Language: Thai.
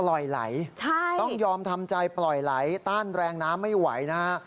ปล่อยไหลต้องยอมทำใจต้านแรงไม่ไหวนะฮะ